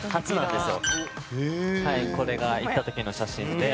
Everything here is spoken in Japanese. これが行った時の写真で。